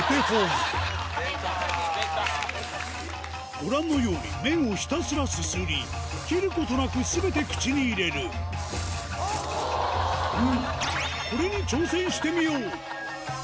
ご覧のように麺をひたすらすすり切ることなく全て口に入れる俺はもう。